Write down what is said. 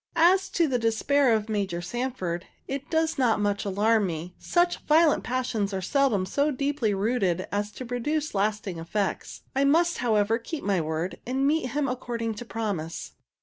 As to the despair of Major Sanford, it does not much alarm me. Such violent passions are seldom so deeply rooted as to produce lasting effects. I must, however, keep my word, and meet him according to promise.